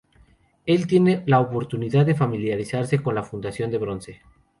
Él tiene la oportunidad de familiarizarse con la fundición de bronce.